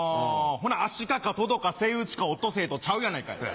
ほなアシカかトドかセイウチかオットセイとちゃうやないかい。